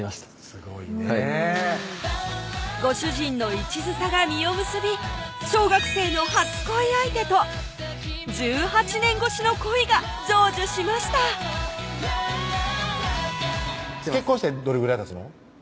すごいねご主人のいちずさが実を結び小学生の初恋相手と１８年越しの恋が成就しました結婚してどれぐらいたつの？